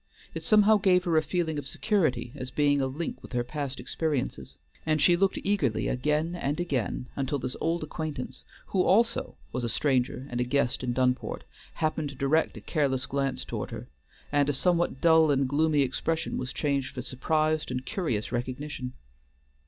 It somehow gave her a feeling of security as being a link with her past experiences, and she looked eagerly again and again until this old acquaintance, who also was a stranger and a guest in Dunport, happened to direct a careless glance toward her, and a somewhat dull and gloomy expression was changed for surprised and curious recognition.